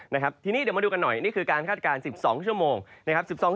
นะครับทีนี้เดี๋ยวมาดูกันหน่อยนี่คือการคาดการณ์๑๒ชั่วโมงนะครับ